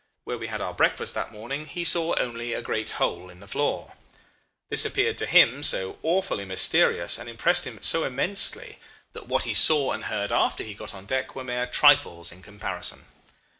Where we had our breakfast that morning he saw only a great hole in the floor. This appeared to him so awfully mysterious, and impressed him so immensely, that what he saw and heard after he got on deck were mere trifles in comparison.